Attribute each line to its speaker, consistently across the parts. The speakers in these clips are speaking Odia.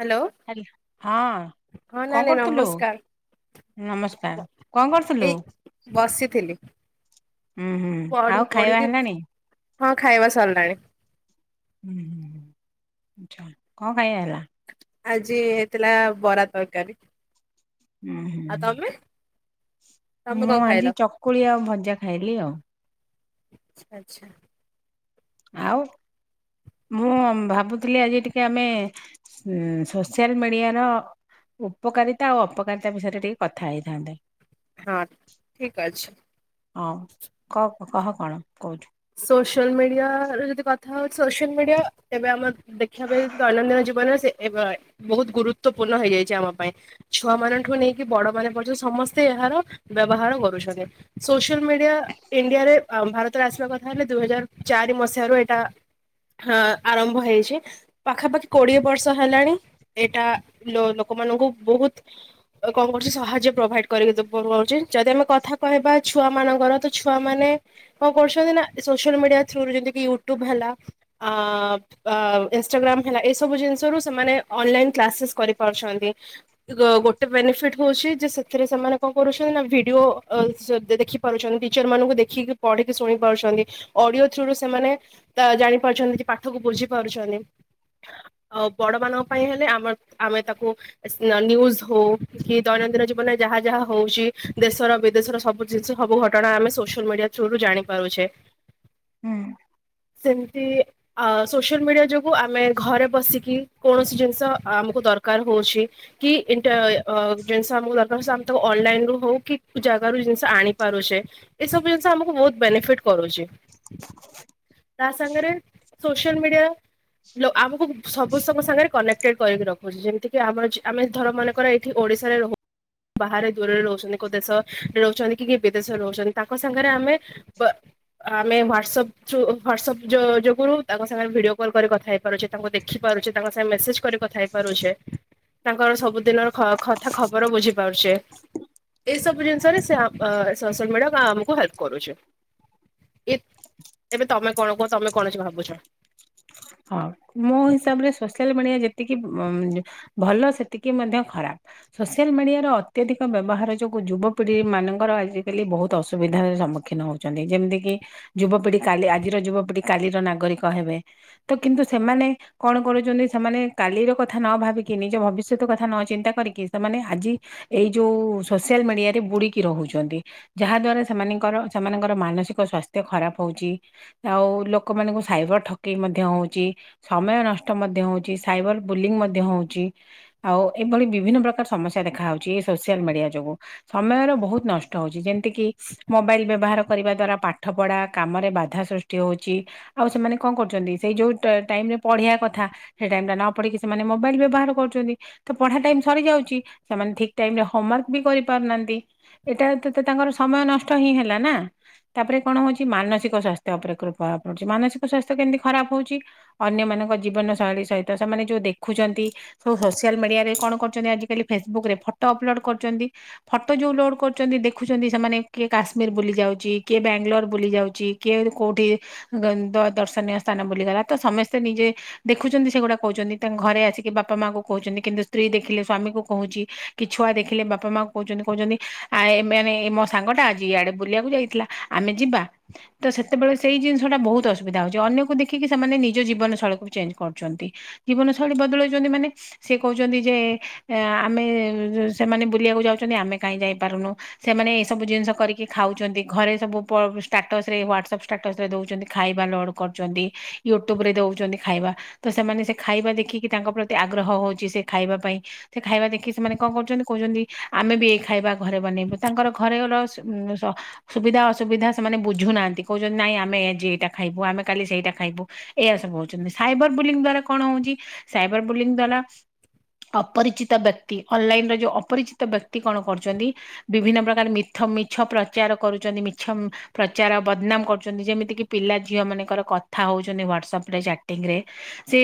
Speaker 1: ହ୍ୟାଲୋ
Speaker 2: ହାଁ ହଁ
Speaker 1: ହଁ
Speaker 2: କଣ
Speaker 1: ନାନୀ
Speaker 2: କରୁଥିଲୁ?
Speaker 1: ନମସ୍କାର।
Speaker 2: ନମସ୍କାର କଣ କରୁଥିଲୁ?
Speaker 1: ଏଇ ବସିଥିଲି
Speaker 2: ଉୁଁ ହୁଁ
Speaker 1: ପଢୁ
Speaker 2: ଆଉ ଖାଇବା
Speaker 1: ପଢିକି
Speaker 2: ହେଲାଣି?
Speaker 1: ହଁ ଖାଇବା ସରିଲାଣି।
Speaker 2: ହୁଁ ଆଚ୍ଛା କଣ ଖାଇବା ହେଲା?
Speaker 1: ଆଜି ହେଇଥିଲା ବରା ତରକାରୀ।
Speaker 2: ହୁଁ ହୁଁ।
Speaker 1: ଆଉ ତମେ ତମେ
Speaker 2: ମୁଁ
Speaker 1: କଣ ଖାଇଲ?
Speaker 2: ଆଜି ଚକୁଳି ଆଉ ଭଜା ଖାଇଲି ଆଉ।
Speaker 1: ଆଚ୍ଛା।
Speaker 2: ଆଉ ମୁଁ ଭାବୁଥିଲି ଆଜି ଟିକେ ଆମେ ଉଁ ସୋସିଆଲ ମିଡିଆର ଉପକାରିତା ଆଉ ଅପକାରିତା ବିଷୟରେ ଟିକେ କଥା ହେଇଥାନ୍ତେ।
Speaker 1: ହଁ ଠିକ ଅଛି।
Speaker 2: ହଁ କ କହ କଣ କହୁଛୁ।
Speaker 1: ସୋସିଆଲ ମିଡିଆ ର ଯଦି କଥା ହଉଛି ସୋସିଆଲ ମିଡିଆ ତେବେ ଆମର ଦେଖିବା ପାଇଁ ଦୈନନ୍ଦିନ ଜୀବନରେ ସେ ଏଵେ ବହୁତ ଗୁରୁତ୍ୱପୂର୍ଣ୍ଣ ହେଇଯାଇଛି ଆମ ପାଇଁ। ଛୁଆ ମାନଠୁ ନେଇକି ବଡ ମାନେ ପର୍ଯ୍ୟନ୍ତ ସମସ୍ତେ ଏହାର ବ୍ୟବହାର କରୁଛନ୍ତି। ସୋସିଆଲ ମିଡିଆ ଇଣ୍ଡିଆରେ ଆଉ ଭାରତରେ ଆସିବା କଥା ତାହେଲେ ଦୁଇ ହଜାର ଚାରି ମସିହାରୁ ଏଇଟା ହାଁ ଆରମ୍ଭ ହେଇଛି। ପାଖାପାଖି କୋଡିଏ ବର୍ଷ ହେଲାଣି ଏଇଟା ଲୋ-ଲୋକମାନଙ୍କୁ ବହୁତ କଣ କଛି ସାହାଯ୍ୟ ପ୍ରୋଭାଇଡ କରିକି କଣ କଛି ଯଦି ଆମେ କଥା କହିବା ଛୁଆ ମାନଙ୍କର ତ ଛୁଆ ମାନେ କଣ କରୁଛନ୍ତି ନା ସୋସିଆଲ ମିଡିଆ ଥ୍ରୁରୁ ଯେମତି ୟୁଟ୍ୟୁବ ହେଲା ଆ। ଆ ଇନଷ୍ଟାଗ୍ରାମ ହେଲା ଏ ସବୁ ଜିନିଷରୁ ସେମାନେ ଅନଲାଇନ କ୍ଲାସେସ୍ କରିପାରୁଛନ୍ତି। ଗୋଟେ ବେନିଫିଟ ହଉଛି ଯେ ସେଥିରେ ସେମାନେ କଣ କରୁଛନ୍ତି ନା ଭିଡିଓ ଅ ଦେଖି ପାରୁଛନ୍ତି ଟିଚର ମାନଙ୍କୁ ଦେଖିକି ପଢିକି ଶୁଣି ପାରୁଛନ୍ତି। ଅଡିଓ ଥ୍ରୁରୁ ସେମାନେ ତା ଜାଣି ପାରୁଛନ୍ତି କି ପାଠକୁ ବୁଝି ପାରୁଛନ୍ତି। ଆ ବଡ ମାନଙ୍କ ପାଇଁ ହେଲେ ଆମ ଆମେ ତାକୁ- ନିନ୍ୟୁଜ ହଉ କି ଦୈନନ୍ଦିନ ଜୀବନରେ ଯାହା ଯାହା ହଉଛି ଦେଶର ବିଦେଶର ସବୁ ସବୁ ଘଟଣା ଆମେ ସୋସିଆଲ ମିଡିଆ ଥୁରୁୁ ଜାଣିପାରୁଛେ।
Speaker 2: ହୁଁ।
Speaker 1: ସେମିତି ଆ ସୋସିଆଲ ମିଡିଆ ଯୋଗୁ ଆମେ ଘରେ ବସିକି କୌଣସି ଜିନିଷ ଆମକୁ ଦରକାର ହଉଛି। କି ଅ ଜିନିଷ ଆମକୁ ଦରକାର ହଉଚି ତ ଆମେ ତାକୁ ଅନଲାଇନ ରୁ ହଉ କି ଜାଗାରୁ ଜିନିଷ ଆଣିପାରୁଛେ। ଏ ସବୁ ଜିନିଷ ଆମକୁ ବହୁତ ବେନିଫିଟ କରୁଛି। ତା ସାଙ୍ଗେରେ ସୋସିଆଲ ମିଡିଆ। ଆମକୁ ସବୁ ସମ ସାଙ୍ଗରେ କନେକ୍ଟେଡ କରିକି ରଖୁଛି ଯେମତିି ଆମର ଆମେ ଧର ମାନେକର ଓଡିଶାରେ ରହ ବାହାରେ ଦୂରରେ ରହୁଛନ୍ତି କୋଉ ଦେଶରେ ରହୁଛନ୍ତି କି କି ବିଦେଶରେ ରହୁଛନ୍ତି ତାଙ୍କ ସାଙ୍ଗରେ ଆମେ ବ ଆମେ ହ୍ୱାଟସଆପ୍ ଥ୍ରୁ ହ୍ୱାଟସଆପ୍ ଯୋଗୁରୁ ତାଙ୍କ ସାଙ୍ଗେ ଭିଡିଓ କଲ୍ କରି କଥା ହେଇ ତାଙ୍କୁ ଦେଖିପାରୁଛେ ତାଙ୍କ ସାଙ୍ଗେ ମେସେଜ କରି କଥା ହେଇ ପାରୁଛେ। ତାଙ୍କର ସବୁ ଦିନର କଥା ଖବର ବୁଝି ପାରୁଛେ। ଏଇସବୁ ଜିନିଷରେ ସୋସିଆଲ ମିଡ଼ିଆ ଆମକୁ ହେଲ୍ପ କରୁଛି। ଏ ଏବେ ତମେ କଣ କୁହ ତମେ କଣ ବସି ଭାବୁଛ।
Speaker 2: ହଁ ମୋ ହିସାବ ରେ ସୋସିଆଲ ମିଡିଆ ଯେତିକି ଭଲ ସେତିକି ମଧ୍ୟ ଖରାପ। ସୋସିଆଲ୍ ମିଡ଼ିଆର ଅତ୍ୟଧିକ ବ୍ୟବହାର ଯୋଗୁଁ ଯୁବପିଢ଼ି ମାନଙ୍କର ଆଜିକାଲି ବହୁତ ଅସୁବିଧାର ସମ୍ମୁଖୀନ ହଉ ଯେମିତି କିି ଯୁବପିଢି କାଲି ଆଜିର ଯୁବପିଢି କାଲିର ନାଗରିକ ହେବେ। ତ କିନ୍ତୁ ସେମାନେ। କଣ କରୁଛନ୍ତି ସେମାନେ କାଲିର କଥା ନ ଭାବିକି ନିଜ ଭବିଷ୍ୟତ କଥା ନ ଚିନ୍ତା କରିକି ସେମାନେ ଆଜି। ଏଇ ଯୋଉ ସୋସିଆଲ ମିଡିଆରେ ବୁଡିକି ରହୁଛନ୍ତି। ଯାହା ଦ୍ଵାରା ସେମାନଙ୍କର ସେମାନଙ୍କର ମାନସିକ ସ୍ୱାସ୍ଥ୍ୟ ଖରାପ ହଉଛି। ଆଉ ଲୋକମାନଙ୍କୁ ସାଇବର ଠକେଇ ମଧ୍ ମଧ୍ୟ ହଉଛି ସମୟ ନଷ୍ଟ ମଧ୍ୟ ହଉଛି ସାଇବର ବୁଲିଂ ମଧ୍ୟ ହଉଛି। ଆଉ ଏଭଳି ବିଭିନ୍ନ ପ୍ରକାର ସମସ୍ୟା ଦେଖା ହଉଛି ଏଇ ସୋସିଆଲ ମିଡିଆ ଯୋଗୁଁ। ସମୟର ବହୁତ ନଷ୍ଟ ହଉଛି ଯେମତି କିି। ମୋବାଇଲ ବ୍ୟବହାର କରିବା ଦ୍ଵାରା ପାଠ ପଢା କାମରେ ବାଧା ସୃଷ୍ଟି ହଉଛି। ଆଉ ସେମାନେ କଣ କରୁଛନ୍ତି। ସେଇ ଯଉ ଟାଇମ୍ ରେ ପଢ଼ିବା କଥା ସେ ଟାଇମ୍ ରେ ନ ପଢ଼ିକି ସେମାନେ ମୋବାଇଲ୍ ବ୍ୟବହାର କରୁଛନ୍ତି। ତ ପଢା ଟାଇମ ସରି ଯାଉଛି ସେମାନେ ଠିକ ଟାଇମ ରେ ହୋମୱାର୍କ ବି କରିପାରୁନାହାନ୍ତି। ଏଇଟା ତେତେ ତାଙ୍କର ସମୟ ନଷ୍ଟ ହିଁ ହେଲା ନା। ତାପରେ କଣ ହଉଛି ମାନସିକ ସ୍ଵାସ୍ଥ୍ୟ ଉପରେ କୃପା ପଡୁଛି ମାନସିକ ସ୍ଵାସ୍ଥ୍ୟ କେମିତି ଖରାପ ହଉଛି। ଅନ୍ୟମାନଙ୍କ ଜୀବନ ଶୈଳୀ ସହିତ ସେମାନେ ଯୋଉ ଦେଖୁଛନ୍ତି ସବୁ ସୋସିଆଲ ମିଡିଆରେ କଣ କରୁଛନ୍ତି ଆଜିକାଲି ଫେସବୁକ ରେ ଫଟୋ ଅପଲୋଡ କରୁଛନ୍ତି। ଫଟୋ ଯୋଉ ଲୋଡ କରୁଛନ୍ତି ଦେଖୁଛନ୍ତି ସେମାନେ କିଏ କାଶ୍ମୀର ବୁଲି ଯାଉଛି କିଏ ବାଙ୍ଗାଲୋର ବୁଲି ଯାଉଛି। କିଏ କୋଉଠି ଦର୍ଶନୀୟ ସ୍ଥାନ ବୁଲି ଗଲା ତ ସମସ୍ତେ ନିଜେ। ଦେଖୁଛନ୍ତି ସେଗୁଡା କହୁଛନ୍ତି ତାଙ୍କ ଘରେ ଆସିକି ବାପା ମା କୁ କହୁଛନ୍ତି କିନ୍ତୁ ସ୍ତ୍ରୀ ଦେଖିଲେ ସ୍ଵାମୀ କୁ କହୁଛି। କି ଛୁଆ ଦେଖିଲେ ବାପା ମାଙ୍କୁ କହୁଛନ୍ତି କହୁଛନ୍ତି ଆ ଏ ମାନେ ମୋ ସାଙ୍ଗ ଟା ଆଜି ଇଆଡେ ବୁଲିବାକୁ ଯାଇଥିଲା। ଆମେ ଯିବା ତ ସେତେବେଳେ ସେଇ ଜିନିଷ ଟା ବହୁତ ଅସୁବିଧା ହଉଛି ଅନ୍ୟ କୁ କୁ ଦେଖିକି ସେମାନେ ନିଜ ଜୀବନ ଶୈଳୀକୁ ଚେଞ୍ଜ କରୁଛନ୍ତି ଜୀବନ ଶୈଳୀ ବଦଳଉଛନ୍ତି ମାନେ। ସେ କହୁଛନ୍ତି ଯେ ଆମେ ସେମାନେ ବୁଲିବାକୁ ଯାଉଛନ୍ତି ଆମେ କାହିଁକି ଯାଇପାରୁନୁ। ସେମାନେ ଏଇ ସବୁ ଜିନିଷ କରିକି ଖାଉଛନ୍ତି ଘରେ ସବୁ ଷ୍ଟାଟସ ରେ ହ୍ଵାଟସଆପ୍ ଷ୍ଟାଟସ ରେ ଦଉଛନ୍ତି। ଖାଇବା ଲୋଡ଼ କରୁଛନ୍ତି ୟୁଟ୍ୟୁବ ରେ ଦଉଛନ୍ତି ଖାଇବା। ତ ସେମାନେ ସେ ଖାଇବା ଦେଖିକି ତାଙ୍କ ପ୍ରତି ଆଗ୍ରହ ହଉଛି ସେ ଖାଇବା ପାଇଁ। ସେ ଖାଇବା ଦେଖି ସେମାନେ କଣ କରୁଛନ୍ତି କହୁଛନ୍ତି ଆମେ ବି ଏଇ ଖାଇବା ଘରେ ବନେଇବୁ ତାଙ୍କର ଘରେ ଗଲ ସ ସୁବିଧା ଅସୁବିଧା ସେମାନେ ବୁଝୁନାହାନ୍ତି କହୁଛନ୍ତି ନାଇଁ ଆମେ ଆଜି ଏଇଟା ଖାଇବୁ ଆମେ କାଲି ସେଇଟା ଖାଇବୁ ଏୟା ସବୁ ହଉଛନ୍ତି ସାଇବର ବୁଲିଂ ଦ୍ଵାରା କଣ ହଉଛି। ସାଇବର ବୋଲିୁଂ ଦ୍ୱଲା ଅପରିଚିତ ବ୍ୟକ୍ତି ଅନଲାଇନ ର ଯୋଉ ଅପରିଚିତ ବ୍ୟକ୍ତି କଣ କରୁଛନ୍ତି। ବିଭିନ୍ନ ପ୍ରକାର ମିଥ ମିଛ ପ୍ରଚାର କରୁଛନ୍ତି ମିଛ। ପ୍ରଚାର ବଦନାମ କରୁଛନ୍ତି ଯେମିତି କି ପିଲା ଝିଅ ମାନେ। ଙ୍କର କଥା ହଉଛନ୍ତି ହ୍ୱାଟସପ ରେ ଚାଟିଂ ରେ। ସେ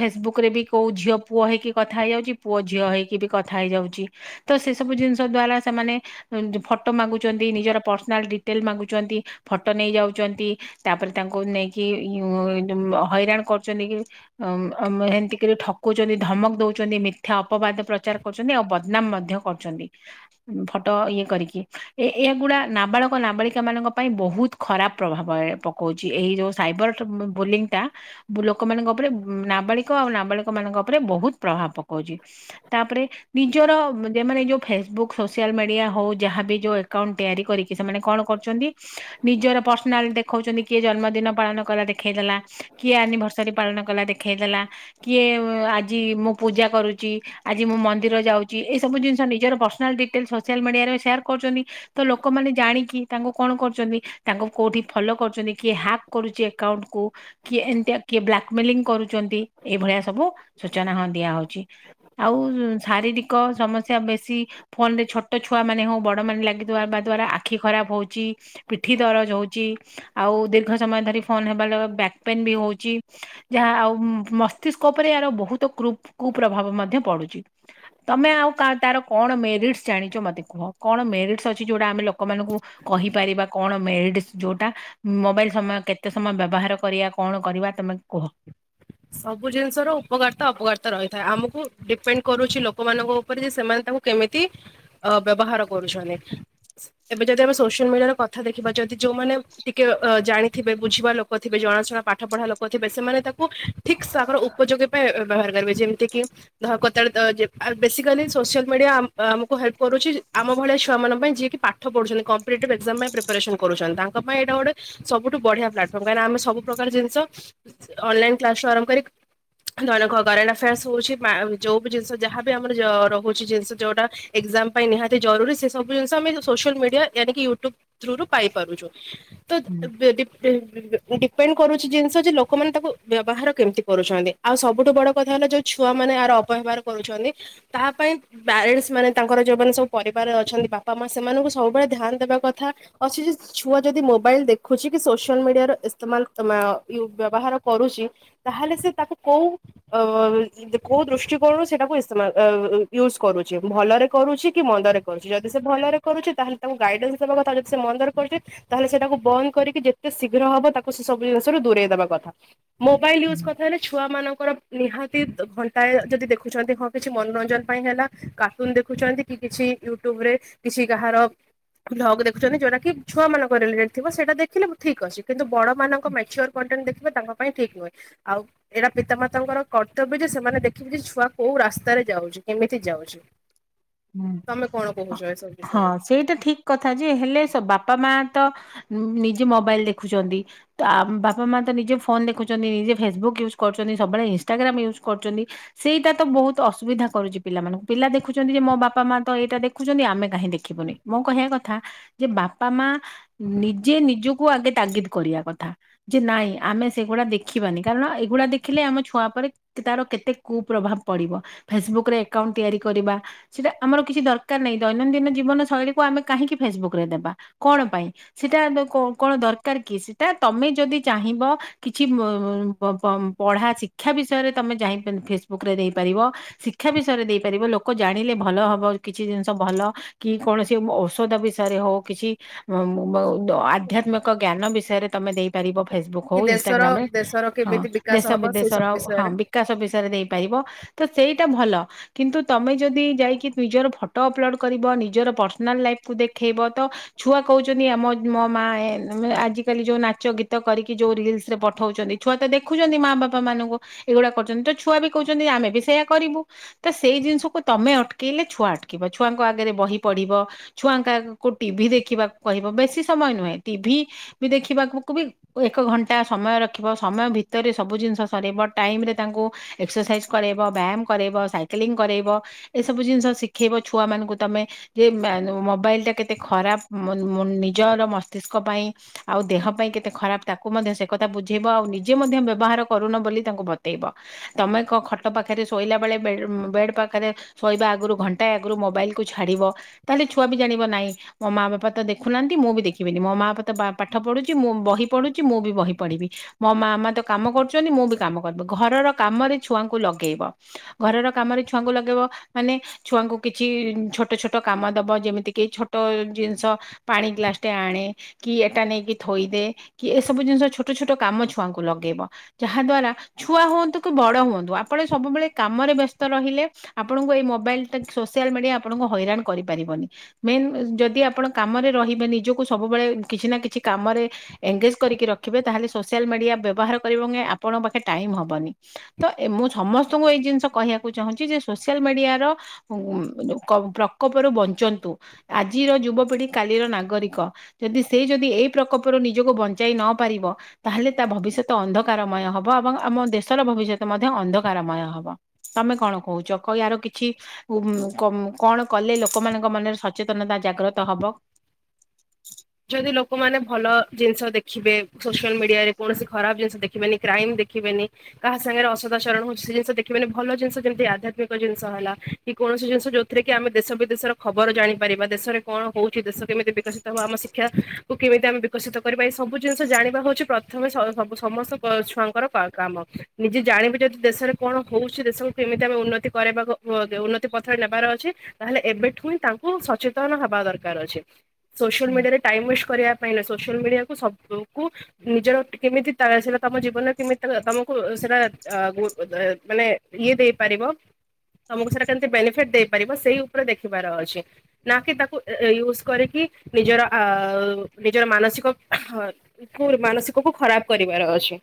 Speaker 2: ଫେସବୁକ ରେ ବି କୋଉ ଝିଅ ପୁଅ ହେଇକି କଥା ହେଇଯାଉଛି ପୁଅ ଝିଅ ହେଇକି ବି କଥା ହେଇଯାଉଛି। ତ ସେ ସବୁ ଜିନିଷ ଦ୍ଵାରା ସେମାନେ ଫଟୋ ମାଗୁଛନ୍ତି ନିଜର ପର୍ସନାଲ ଡିଟେଲ ମାଗୁଛନ୍ତି। ଫଟୋ ନେଇ ଯାଉଛନ୍ତି ତାପରେ ତାଙ୍କୁ ନେଇକି ଇଉ ହଇରାଣ କରୁଛନ୍ତି କି ଅ ଅଁ ଏମିତି କରି ଠକୁଛନ୍ତି ଧମକ ଦଉଛନ୍ତି ମିଥ୍ୟା ଅପବାଦ ପ୍ରଚାର କରୁଛନ୍ତି ଆଉ ବଦନାମ ମଧ୍ୟ କରୁଛନ୍ତି ଫଟୋ ଇଏ କରିକି। ଏ ଏଗୁଡା ନାବାଳକ ନାବାଳିକା ମାନଙ୍କ ପାଇଁ ବହୁତ ଖରାପ ପ୍ରଭାବ ପକଉଛି। ଏଇ ଯୋଉ ସାଇବର ବୋଲିଂଟା ଲୋକମାନାନଙ୍କ ଉପରେ ନାବାଳିକ ଆଉ ନାବାଳିକ ମାନଙ୍କ ଉପରେ ବହୁତ ପ୍ରଭାବ ପକାଉଛି। ତାପରେ ନିଜର ଯେ ମାନେ ଯୋଉ ଫେସବୁକ୍ ସୋସିଆଲ ମିଡିଆ ହଉ ଯାହାବି ଯୋଉ ଏକଉଣ୍ଟ ତିଆରି କରିକି କି ସେମାନେ କଣ କରୁଛନ୍ତି ନିଜର ପର୍ସନାଲ ଦେଖଉଛନ୍ତି। କିଏ ଜନ୍ମଦିନ ପାଳନ କଲା ଦେଖେଇ ଦେଲା କିଏ ଆନିଭର୍ସରୀ ପାଳନ କଲା ଦେଖେଇ ଦେଲା କିଏ ଆଜି ମୁଁ ପୂଜା କରୁଛି ଆଜି ମୁଁ ମନ୍ଦିର ଯାଉଛି ଏସବୁ ଜିନିଷ ନିଜର ପର୍ସନାଲ୍ ଡିଟେଲ୍ ସୋସିଆଲ୍ ମିଡ଼ିଆରେ ସେୟାର କରୁଛନ୍ତି। ତ ଲୋକମାନେ ଜାଣିକି ତାଙ୍କୁ କଣ କରୁଛନ୍ତି ତାଙ୍କୁ କୋଉଠି ଫଲୋ କରୁଛନ୍ତି। କିଏ ହ୍ୟାକ୍ କରୁଛି ଏକକାଉଣ୍ଟ କୁ କିଏ ଏମତି ଆ କିଏ ବ୍ଲାକ୍ ମେଲିଙ୍ଗ କରୁଛନ୍ତି ଏଇଭଳିଆ ସବୁ ସୂଚନା ହଁ ଦିଆ ହଉଛି। ଆଉ ଶାରୀରିକ ସମସ୍ୟା ବେଶୀ ଫୋନ ରେ ଛୋଟ ଛୁଆ ମାନେ ହଉ ବଡ ମାନେ ଲାଗି ଥିବା ଦ୍ଵାରା ଆଖି ଖରାପ ହଉଛି। ପିଠି ଦରଜ ହଉଛି ଆଉ ଦୀର୍ଘ ସମୟ ଧରି ଫୋନ ହେବା ବ୍ୟାକ୍ ପେନ୍ ବି ହଉଛି ଯାହା ଆଉ ମସ୍ତିଷ୍କ ଉପରେ ଏହାର ବହୁତ କୁ କୁପ୍ରଭାବ ମଧ୍ୟ ପଡୁଛି। ତମ ଆଉ ତାର କଣ ମେରିଟ୍ସ ଜାଣିଛ ମୋତେ କୁହ କଣ ମେରିଟ୍ସ ଅଛି ଯଉଟା ଆମେ ଲୋକମାନଙ୍କୁ କହିପାରିବା କଣ ମେରିଟ ଯୋଉଟା ମୋବାଇଲ ସମୟ କେତେ ସମୟ ବ୍ୟବହାର କରିବା କଣ କରିବା ତମେ କୁହ।
Speaker 1: ସବୁ ଜିନିଷ ର ଉପକାରିତା ଅପକାରିତା ରହିଥାଏ ଆମକୁ ଡିପେଣ୍ଡ କରୁଛି ଲୋକମାନଙ୍କ ଉପରେ ଯେ ସେମାନେ ତାଙ୍କୁ କେମିତି ଅ ବ୍ୟବହାର କରୁଛନ୍ତି। ଏବେ ଯଦି ଆମେ ସୋସିଆଲ ମିଡିଆରେ କଥା ଦେଖିବା ଯଦି ଯୋଉମାନେ ଟିକେ ଜାଣିଥିବେ ବୁଝିବା ଲୋକ ଥିବେ ଜଣାଶୁଣା ପାଠ ପଢା ଲୋକ ଥିବେ ସେମାନେ ତାକୁ ଠିକଙ୍କର ଉପଯୋଗୀ ପାଇଁ ବ୍ୟବହାର କରିବେ ଯେମିତି କିି ବିକାଲି ସୋସିଆଲ ମିଡିଆ ଆମକୁ ହେଲ୍ କରୁଛି ଆମ ଭଳିଆ ଛୁଆ ମଙ୍କ ପାଇଁ ଯିଏକି ପାଠ ପାଠ ପୁଛନ୍ତିମ୍ପିଟେଟିଭ ଏକ୍ଜାମ ପାଇଁ ପ୍ରିପାରାରେସନ୍ କରୁ ତା ପାଇଁଟା ଗୋଟେ ସବୁଠୁ ବଢିଆ ପ୍ଲାଟଫର୍ମ କାହିଁକିନା ଆମେ ସୁପ ପ୍ରକାର ଜିନିଷ ଅନଲାଇନ କ୍ଲାସ ରୁ ଆରମ୍ଭ କରି ଧଙ୍କ କରେଣ୍ଟ ଆଫେୟାର୍ସ ହଉଛି ଯଉ ବି ଜିନିଷ ଯାହାବି ଆମର ରହୁଛି ଜିନିଷ ଯୋଉଟା ଏକ୍ଜାମ ପାଇଁ ନିହାତି ଜରୁରୀ ସେବୁ ଜିନି ଆମେ ସୋସିଆଲ ମିଡିଆନକ ୟୁଟୁବ ଥ୍ରୁ ରୁ ପାଇପାରୁଛୁ ତ
Speaker 2: ହୁଁ
Speaker 1: ଡିପେଣ୍ଡ କରୁଛି ଜିନିଷ ଯେ ଲୋକମାନେ ତାକୁ ବ୍ୟବହାର କେମିତି କରୁଛନ୍ତି ଆଉ ସବୁଠୁ ବଡ କଥା ହେଲା ଯୋଉ ଛୁଆ ମାନେ ଆର ଅପବ୍ୟବହାର କରୁଛନ୍ତି। ତାହା ପାଇଁ ପ୍ୟାରେଣ୍ଟସ୍ ମାନେ ତାଙ୍କର ଯୋଉମାନେ ସବୁ ପରିବାରରେ ଅଛନ୍ତି ବାପା ମା ସେମାନଙ୍କୁ ସବୁବେଳେ ଧ୍ୟାନ ଦେବା କଥା। ଅଛି ଯେ ଛୁଆ ଯଦି ମୋବାଇଲ ଦେଖୁଛି କି ସୋସିଆଲ ମିଡିଆର ଇସ୍ତେମାଲ ବ୍ୟବହାର କରୁଛି ତାହେଲେ ସେ ତାକୁ କୋଉ କୋଉ ଦୃଷ୍ଟିକୋଣରୁ ସେଇଟାକୁଇ ୟୁଜ କରୁଛି ଭଲରେ କରୁଛି କି ମନ୍ଦରେ କରୁଛି ଯଦି ସେ ଭଲରେ କରୁଛି ତାହେଲେ ତାଙ୍କୁ ଗାଇଡେନ୍ସ ଦେବା କଥା ଯ ସେ ମନ୍ଦରେ କରୁଛି। ତାହେଲେ ସେଟାକୁ ବନ୍ଦ କରିକି ଯେତେ ଶୀଘ୍ର ହବ ତାକୁ ସେ ସବୁ ଜିନିଷ ର ଦୂରେଇ ଦବା କଥା। ମୋବାଇଲ୍ ୟୁଜ୍ କଥା ହେଲେ ଛୁଆମାନଙ୍କର ନିହାତି ଘଣ୍ଟାଏ ଯଦି ଦେଖୁଛନ୍ତି ହଁ କିଛି ମନୋରଞ୍ଜନ ପାଇଁ ହେଲା କାର୍ଟୁନ ଦେଖୁଛନ୍ତି କି କିଛି ୟୁଟ୍ୟୁବ ରେ କିଛି କାହାର ଭ୍ଗ ଦେୁଛନ୍ତି ଯଉଟା କି ଛୁଆମାନଙ୍କ ରିଲେଟେଡ ଥିବ ସେଇଟା ଦେଖିଲେ ଠିକ ଅଛି। କିନ୍ତୁ ବଡମାନଙ୍କ ମେଚ୍ୟର କଣ୍ଟେଣ୍ଟ ଦେଖିବ ତାଙ୍କ ପାଇଁ ଠିକ୍ ନୁହେଁ ଆଉ ଏଇଟା ପିତାମାତାଙ୍କର କର୍ତ୍ତବ୍ୟ ଯେ ସେମାନେ ଦେଖିବେ ଯେ ଛୁଆ କୋଉ ରାସ୍ତାରେ ଯାଉଛି କେମିତି ଯାଉଛି।
Speaker 2: [inaudible]
Speaker 1: ତମେ କଣ କହୁଛ ଏ ସବୁ
Speaker 2: ହଁ
Speaker 1: ବିଷୟରେ।
Speaker 2: ସେଇଟା ଠିକ କଥା ଯେ ହେଲେ ବାପା ମା ତ ନିଜେ ମୋବାଇଲ ଦେଖୁଛନ୍ତି। ତ ବାପା ମା ତ ନିଜେ ଫୋନ ଦେଖୁଛନ୍ତି ନିଜେ ଫେସବୁକ୍ ୟୁଜ୍ କରୁଛନ୍ତି ସବୁବେଳେ ଇନଷ୍ଟାଗ୍ରମ୍ ୟୁଜ୍ କରୁଛନ୍ତି। ସେଇଟା ତ ବହୁତ ଅସୁବିଧା କରୁଛି ପିଲାମାନଙ୍କୁ ପିଲା ଦେଖୁଛନ୍ତି ଯେ ବାପା ମା ତ ଏଇଟା ଦେଖୁଛନ୍ତି ଆମେ କାହିଁ ଦେଖିବୁନି ମୋ କହିବା କଥା ଯେ ବାପା ମା ନିଜେ ନିଜକୁ ଆଗେ ତାଗିଦ କରିବା କଥା। ଯେ ନାଇଁ ଆମେ ସେଗୁଡା ଦେଖିବାନି କାରଣ ଏଇଗୁଡା ଦେଖିଲେ ଆମ ଛୁଆ ଉପରେ ତାର କେତେ କୁପ୍ରଭାବ ପଡିବ ଫେସବୁକ ରେ ଏକଉଣ୍ଟ ତିଆରି କରିବା। ସେଇଟା ଆମର କିଛି ଦରକାର ନାହିଁ ଦୈନନ୍ଦିନ ଜୀବନ ଶୈଳୀକୁ ଆମେ କାହିଁକି ଫେସବୁକ ରେ ଦେବା କଣ ପାଇଁ? ସେଟା କଣ ଦରକାର କି ସେଟା ତମେ ଯଦି ଚାହିଁବ। କିଛି ପଢା ଶିକ୍ଷା ବିଷୟରେ ତମେ ଯାଇ ଫେସବୁକରେ ଦେଇପାରିବ। ଶିକ୍ଷା ବିଷୟରେ ଦେଇପାରିବ ଲୋକ ଜାଣିଲେ ଭଲ ହବ କିଛି ଜିନିଷ ଭଲ କି କୌଣସି ଔଷଧ ବିଷୟରେ ହଉ କିଛି ଆଧ୍ୟାତ୍ମିକ ଜ୍ଞାନ ବିଷୟରେ ତମେ ଦେଇ ଫେସବୁ
Speaker 1: କି
Speaker 2: ହଉ
Speaker 1: ଦେଶର
Speaker 2: ଇ୍ରରେ
Speaker 1: ଦେଶର
Speaker 2: ହଁ
Speaker 1: କେମିତି
Speaker 2: ଦେ
Speaker 1: ବିକାଶ ହବ ସେଇ
Speaker 2: ବିଦେଶ
Speaker 1: ସବୁ
Speaker 2: ହ
Speaker 1: ବିଷୟରେ?
Speaker 2: ବିକାଶ ବିଷୟରେ ତ ସେଇଟା ଭଲ କିନ୍ତୁ ତମେ ଯଦି ଯାଇ ନିଜର ଫଟୋ ଅପଲୋଡ଼୍ କରିବ ନିଜର ପର୍ସନାଲ୍ ଲାଇଫ୍କୁ ଦେଖାଇବ ତ ଛୁଆ କହୁଛନ୍ତି ଆମ ମୋ ମା ଆଜିକାଲି ଯୋଉ ନାଚ ଗୀତ କରିକି ଯୋଉ ରିଲସ ରେ ପଠଉଛନ୍ତି। ଛୁଆ ତ ଦେଖୁଛନ୍ତି ମା ବାପା ମାନଙ୍କୁ ଏଇଗୁଡା କରୁଛନ୍ତି ତ ଛୁଆ ବି କହୁଛନ୍ତି ଆମେ ବି ସେୟଆ କରିବୁ। ତ ସେଇ ଜିନିଷକୁ ତମେ ଅଟକେଇଲେ ଛୁଆ ଅଟକିବ। ଛୁଆଙ୍କ ଆଗରେ ବହି ପଢିବ। ଛୁଆଙ୍କା କୁ ଟିଭିି ଦେଖିବାକୁ କହିବ। ବେଶୀ ସମୟ ନୁହେଁ ଟିଭି ବି ଦେଖିବାକୁ ବି ଏକ ଘଣ୍ଟା ସମୟ ରଖିବ। ସମୟ ଭିତରେ ସବୁ ଜିନିଷ ସରାଇବ ଟାଇମ ରେ ତାଙ୍କୁ ଏକ୍ସରସାଇଜ କରାଇବ, ବ୍ୟାୟାମ କରାଇବ ସାଇକେଲିଂ କରାଇବ। ଏସବୁ ଜିନିଷ ଶିଖେଇବ ଛୁଆମାନଙ୍କୁ ତମେ ଯେ ମେ ମୋବାଇଲ ଟା କେତେ ଖରାପ ମ ମୁ ନିଜର ମସ୍ତିଷ୍କ ପାଇଁ। ଆଉ ଦେହ ପାଇଁ କେତେ ଖରାପ ତାକୁ ମଧ୍ୟ ସେ କଥା ବୁଝେଇବ। ଆଉ ନିଜେ ମଧ୍ୟ ବ୍ୟବହାର କରୁନ ବୋଲି ତାଙ୍କୁ ବତେଇବ। ତମେ କ ଖଟ ପାଖରେ ଶୋଇଲା ବେଳେ ବେ ବେଡ ପାଖରେ ଶୋଇବା ଆଗରୁ ଘଣ୍ଟାଏ ଆଗରୁ ମୋବାଇଲକୁ ଛାଡ଼ିବ। ତାହେଲେ ଛୁଆ ବି ଜାଣିବ ନାଇଁ ମୋ ମା ବାପା ତ ଦେଖୁନାହାନ୍ତି ମୁଁ ବି ଦେଖିବିନି। ମୋ ମା ବାପା ତ ପାଠ ପଢ଼ୁଛି ମୁଁ ବହି ପଢୁଛି ମୁଁ ବି ବହି ପଢ଼ିବି। ମୋ ମା ମା ତ କାମ କରୁଛନ୍ତି ମୁଁ ବି କାମ କରିବି, ଘରର କାମରେ ଛୁଆଙ୍କୁ ଲଗେଇବ। ଘରର କାମରେ ଛୁଆଙ୍କୁ ଲଗେଇବ। ମାନେ ଛୁଆଙ୍କୁ କିଛି ଛୋଟ ଛୋଟ କାମ ଦବ, ଯେମିତିକି ଛୋଟ ଜିନିଷ। ପାଣି ଗ୍ଲାସ ଟେ ଆଣେ। କି ଏଟା ନେଇକି ଥୋଇଦେ କି, ଏସବୁ ଜିନିଷ ଛୋଟ ଛୋଟ କାମ ଛୁଆଙ୍କୁ ଲଗେଇବ। ଯାହା ଦ୍ଵାରା ଛୁଆ ହୁଅନ୍ତୁ କି ବଡ ହୁଅନ୍ତୁ, ଆପଣ ସବୁବେଳେ କାମରେ ବ୍ୟସ୍ତ ରହିଲେ ଆ ଆପଣଙ୍କୁ ଏଇ ମୋବାଇଲ ଟା ସୋସିଆଲ୍ ମିଡିଆ ଆପଣଙ୍କୁ ହଇରାଣ କରିପାରିବନି। ମେନ୍ ଯଦି ଆପଣ କାମରେ ରହିବେ, ନିଜକୁ ସବୁବେଳେ କିଛି ନା କିଛି କାମରେ ଏନ୍ଗେଜ କରିକି ରଖିବେ, ତାହେଲେ ସୋସିଆଲ ମିଡିଆ ବ୍ୟବହାର କରିବ ଆପଣଙ୍କ ପାଖେ ଟାଇମ ହବନି। ତ ମୁଁ ସମସ୍ତଙ୍କୁ ଏଇ ଜିନିଷ କହିବାକୁ ଚାହୁଁଛି ଯେ ସୋସିଆଲ ମିଡିଆର ଅ ଉ ପ୍ରକୋପରୁ ବଞ୍ଚନ୍ତୁ। ଆଜିର ଯୁବପିଢି କାଲିର ନାଗରିକ। ଯଦି ସେ ଯଦି ଏଇ ପ୍ରକୋ୍ପରୁ ନିଜକୁ ବଞ୍ଚାଇ ନ ପାରିବ। ତାହେଲେ ତା ଭବିଷ୍ୟତ ଅନ୍ଧକାରମୟ ହବ। ଏବଂ ଆମ ଦେଶର ଭବିଷ୍ୟତ ମଧ୍ୟ ଅନ୍ଧକାରମୟ ହବ। ତମେ କଣ କହୁଛ? କହିବାର କିଛି ଉଁ ଉମ କଣ କଲେ ଲୋକମାନଙ୍କ ମନରେ ସଚେତନତା ଜାଗ୍ରତ ହବ।
Speaker 1: ଯଦି ଲୋକମାନେ ଭଲ ଜିନିଷ ଦେଖିବେ, ସୋସିଆଲ ମିଡିଆରେ କୌଣସି ଖରାପ ଜିନିଷ ଦେଖିବେନି। କ୍ରାଇମ ଦେଖିବେନି। କାହା ସାଙ୍ଗରେ ଅସଦାଚରଣ ହଉଛି ସେ ଜିନିଷ ଦେଖିବେନି। ଭଲ ଜିନିଷ କେମିତି ଆଧ୍ୟାତ୍ମିକ ଜିନିଷ ହେଲା। କି କୌଣସି ଜିନିଷ ଯଉଥିରେ କି ଆମେ ଦେଶ ବିଦେଶର ଖବର ଜାଣିପାରିବା। ଦେଶରେ କଣ ହଉଛି ଦେଶ କେମିତି ବିକଶିତ ହବ ଆମ ସେ ଶିକ୍ଷା କୁ କେମିତି ଆମେ ବିକଶିତ କରିବା, ଏଇ ସବୁ ଜିନିଷ ଜାଣିବା ହଉଛି ପ୍ରଥମେ ସ ସବୁ ସମସ୍ତ ଛୁଆଙ୍କର ପ୍ରା କାମ ନିଜେ ଜାଣିବେ ଯଦି ଦେଶରେ କଣ ହଉଛି ଦେଶକୁ କେମିତି ଆମେ ଉନ୍ନତି କରାଇବାକୁ ହୁଅ ଉନ୍ନତି ପଥରେ ନେବାର ଅଛି, ତାହେଲେ ଏବେଠୁ ହିଁ ତାଙ୍କୁ ସଚେତନ ହବା ଦରକାର ଅଛି। ସୋସିଆଲ ମିଡିଆରେ ଟାଇମ ୱେଷ୍ଟ କରିବା ପାଇଁ ନୁହଁ। ସୋସିଆଲ ମିଡିଆକୁ ସବୁ କୁ ନିଜର କେମିତି ତା ସେରା ତମ ଜୀବନରେ କେମିତି ତମକୁ ସେରା ଆ ଗୁ ଏ ମାନେ ଇଏ ଦେଇପାରିବ, ତମକୁ ସେଟା କେମିତି ବେନିଫିଟ ଦେଇପାରିବ ସେଇ ଉପରେ ଦେଖିବାର ଅଛି। ନା କି ତାକୁ ୟୁଜ କରିକି ନିଜର ଆଉ ନିଜର ମାନସିକ କୁ ମାନସିକକୁ ଖରାପ କରିବାର ଅଛି।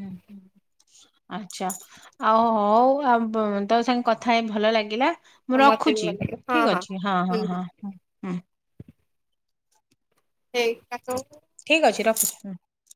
Speaker 2: ହୁଁ ହୁଁ। ଆଚ୍ଛା ଆଉ ହଉ ଆ ତୋ ସାଙ୍ଗେ କଥା ହେଇ ଭଲ ଲାଗିଲା। ମୁଁ
Speaker 1: ମତେ ବି
Speaker 2: ରଖୁଛି
Speaker 1: ଭଲ ଲାଗେ ହଁ
Speaker 2: ଠିକ ଅଛି ହଁ ହଁ
Speaker 1: ହୁଁ ହୁଁ
Speaker 2: ହଁ ହଁ।
Speaker 1: ସେଇ ତାକୁ
Speaker 2: ଠିକ୍ ଅଛି ରଖୁଛି ହୁଁ।